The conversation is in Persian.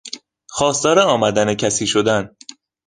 خواستار آمدن کسی شدن